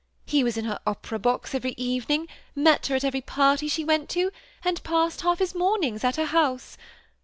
He was in her opera box every evening, met her at every party she went to, and passed half his mornings at her house.